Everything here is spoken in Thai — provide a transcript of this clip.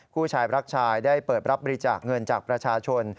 ผู้ชายรักชายได้เปิดรับบริจาคเงินจากประชาชน